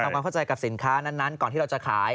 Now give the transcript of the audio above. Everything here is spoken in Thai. ความเข้าใจกับสินค้านั้นก่อนที่เราจะขาย